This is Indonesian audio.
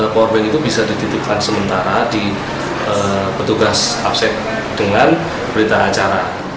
korban itu bisa dititipkan sementara di petugas upset dengan berita acara